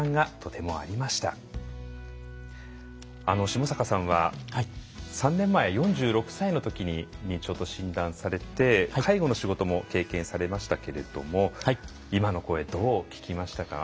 下坂さんは３年前４６歳の時に認知症と診断されて介護の仕事も経験されましたけれども今の声どう聞きましたか？